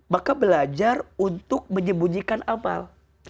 maka belajar untuk menyembunyikan amal